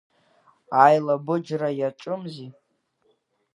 Аилабыџра иаҿымзи.